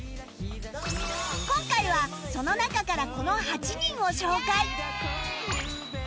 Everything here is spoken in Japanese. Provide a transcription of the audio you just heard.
今回はその中からこの８人を紹介